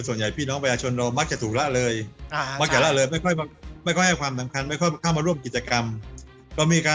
เพราะส่วนใหญ่พี่น้องวัยชนเรามักจะถูกละเลยไม่ค่อยให้ความสำคัญไม่ค่อยเข้ามาร่วมกิจกรรม